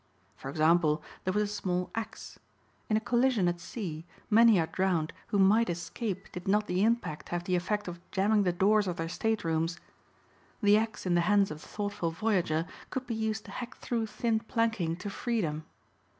For example there was a small axe. In a collision at sea many are drowned who might escape did not the impact have the effect of jamming the doors of their state rooms. The axe in the hands of the thoughtful voyager could be used to hack through thin planking to freedom.